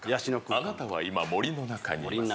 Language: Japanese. あなたは今森の中にいます